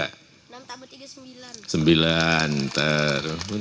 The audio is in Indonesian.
enam tambah tiga sembilan